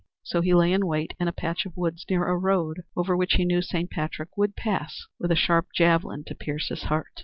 So he lay in wait in a patch of woods near a road over which he knew Saint Patrick would pass, with a sharp javelin to pierce his heart.